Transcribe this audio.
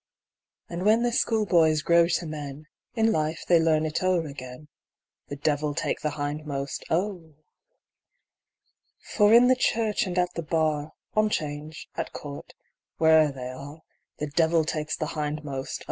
And when the schoolboys grow to men, In life they learn it o'er again The devil take the hindmost, ! For in the church, and at the bar, On 'Change, at court, where'er they arc, The devil takes the hindmost